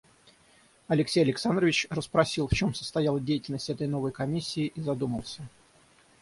Алексей Александрович расспросил, в чем состояла деятельность этой новой комиссии, и задумался.